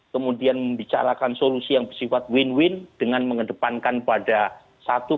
kemudian membicarakan solusi yang bersifat win win dengan mengedepankan pada satu